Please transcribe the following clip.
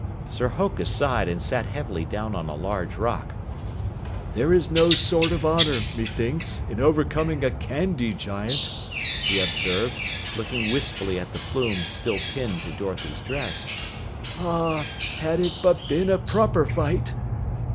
Sir Hokus sighed and sat heavily down on a large rock. "There is no sort of honor, methinks, in overcoming a candy giant," he observed, looking wistfully at the plume still pinned to Dorothy's dress. "Ah, had it but been a proper fight!"